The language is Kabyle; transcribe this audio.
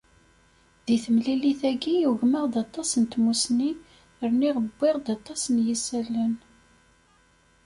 Di temlilit-agi ugmeɣ-d aṭas n tmussni, rniɣ wwiɣ-d aṭas n yisallen.